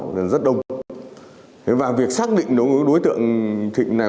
để giúp thịnh đạt giá cao